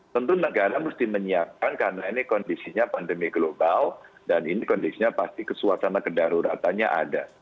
tentu negara mesti menyiapkan karena ini kondisinya pandemi global dan ini kondisinya pasti kesuasana kedaruratannya ada